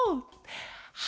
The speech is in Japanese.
は